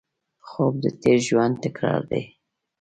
خوب د تېر ژوند تکرار دی